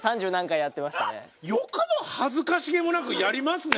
よくも恥ずかしげもなくやりますね。